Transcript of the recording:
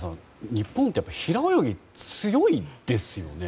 日本は平泳ぎが強いですよね。